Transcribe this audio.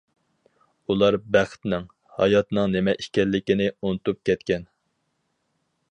ئۇلار بەختنىڭ، ھاياتنىڭ نېمە ئىكەنلىكىنى ئۇنتۇپ كەتكەن.